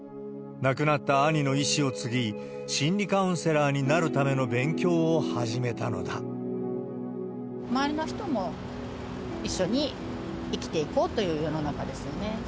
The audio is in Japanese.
亡くなった兄の遺志を継ぎ、心理カウンセラーになるための勉強を周りの人も一緒に生きていこうという世の中ですよね。